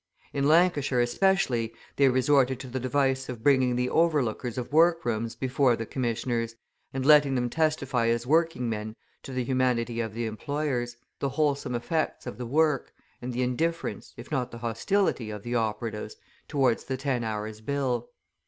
In Lancashire especially they resorted to the device of bringing the overlookers of workrooms before the commissioners, and letting them testify as working men to the humanity of the employers, the wholesome effects of the work, and the indifference, if not the hostility of the operatives, towards the Ten Hours' Bill.